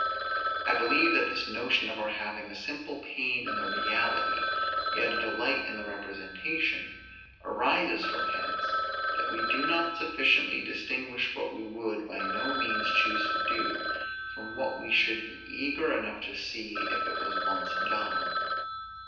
I believe that this notion of our having a simple pain in the reality, yet a delight in the representation, arises from hence, that we do not sufficiently distinguish what we would by no means choose to do, from what we should be eager enough to see if it was once done.